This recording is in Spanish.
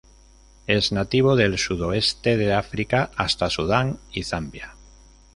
Es nativo del sudoeste de África hasta Sudán y Zambia.